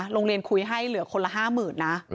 ที่เหลือคนละ๕๐๐๐๐นะ